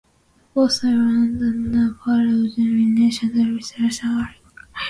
Both islands are now part of Gateway National Recreation Area.